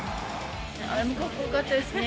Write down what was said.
あれもかっこよかったですね。